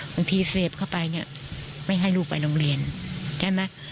บางทีเสพเข้าไปเนี่ยไม่ให้ลูกไปโรงเรียนใช่ไหม